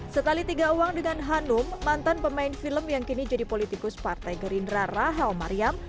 setali tiga uang dengan hanum mantan pemain film yang kini jadi politikus partai gerindra rahel mariam